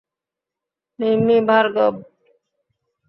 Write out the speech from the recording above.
Mimmi, Bhargav.